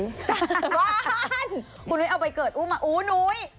ว้านคุณนุ้ยเอาไปเกิดอุ้มอ่ะอู้นุ้ย